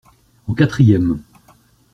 En quatrième.